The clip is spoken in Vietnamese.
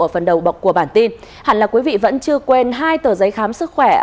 ở phần đầu của bản tin hẳn là quý vị vẫn chưa quên hai tờ giấy khám sức khỏe